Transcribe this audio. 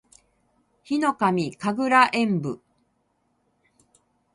ヒノカミ神楽炎舞（ひのかみかぐらえんぶ）